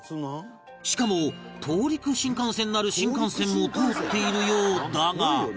しかも東陸新幹線なる新幹線も通っているようだが